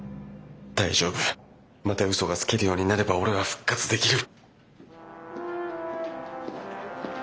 大丈夫また嘘がつけるようになれば俺は復活できる！